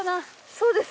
そうです。